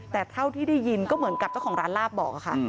แต่เท่าที่ได้ยินก็เหมือนกับเจ้าของร้านลาบบอกค่ะ